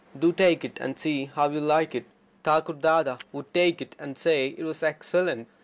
Do take it, and see how you like it." Thakur Dada would take it, and say it was excellent.